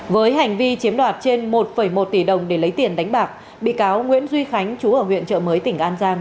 với hành vi chiếm đoạt trên một một tỷ đồng để lấy tiền đánh bạc bị cáo nguyễn duy khánh chú ở huyện trợ mới tỉnh an giang